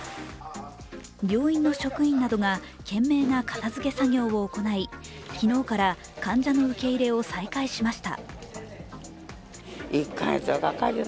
病院の職員などが懸命な片づけ作業を行い、昨日から患者の受け入れを再開しました。